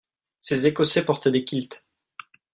Ces Écossais portaient des kilts.